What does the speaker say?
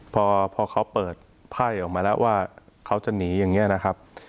พอเขาเปิดไพ่ออกมาแล้วว่าเขาจะหนีอย่างนี้นะครับ